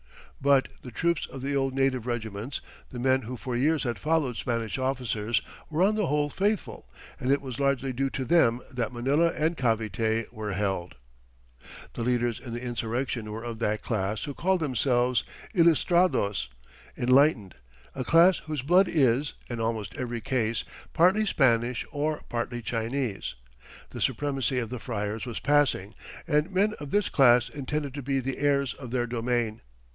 But the troops of the old native regiments the men who for years had followed Spanish officers were on the whole faithful, and it was largely due to them that Manila and Cavite were held. The leaders in the insurrection were of that class who called themselves ilustrados, enlightened, a class whose blood is, in almost every case, partly Spanish or partly Chinese. The supremacy of the friars was passing, and men of this class intended to be the heirs to their domain.